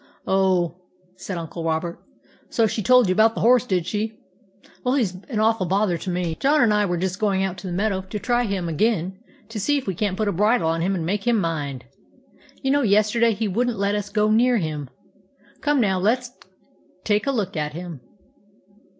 " Oh," said Uncle Robert. " So she told you about the horse, did she? Well, he's an awful bother to me. John and I were just going out to the meadow to try him again to see if we can't put a bridle on him and make him mind. You know yesterday he would n't let us go near him. Come on, and let s take a look at him."